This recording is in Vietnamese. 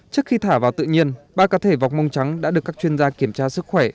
trước khi thả vào tự nhiên ba cá thể vọc mông trắng đã được các chuyên gia kiểm tra sức khỏe